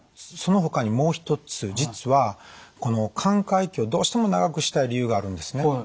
その他にもう一つ実はこの寛解期をどうしても長くしたい理由があるんですね。